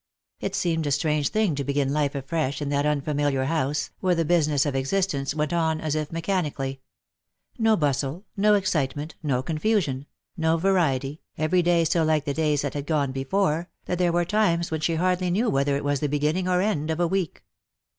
It seemed a strange thing to begin life afresh in that unfamiliar house, where the business of existence went on as if mechanic ally — no bustle, no excitement, no confusion, no variety, every day so like the days that had gone before, that there were times when she hardly knew whether it was the beginning or end of a week.